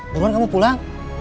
buruan kamu pulang